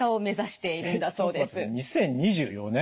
２０２４年？